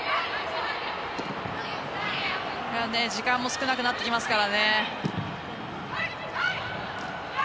時間も少なくなってきますから。